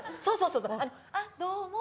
そうそうそうそう。